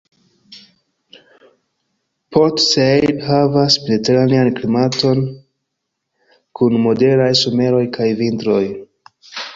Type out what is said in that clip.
Port Said havas mediteranean klimaton kun moderaj someroj kaj vintroj.